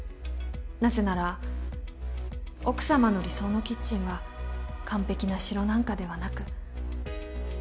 なぜなら奥様の理想のキッチンは完璧な城なんかではなく。